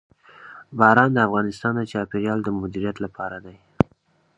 باران د افغانستان د چاپیریال د مدیریت لپاره دی.